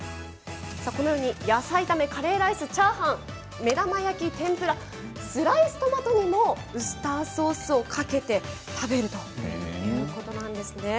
野菜炒め、カレーライスチャーハン、目玉焼き、天ぷらスライストマトにもウスターソースをかけて食べるということなんです。